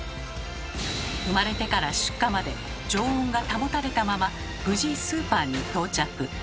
産まれてから出荷まで常温が保たれたまま無事スーパーに到着。